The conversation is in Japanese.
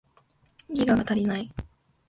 ギガが足りない